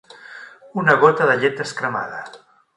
Una gota de llet descremada.